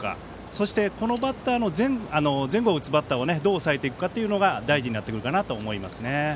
そして、このバッターの前後を打つバッターをどう抑えていくかというのが大事になってくるかなと思いますね。